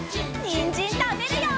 にんじんたべるよ！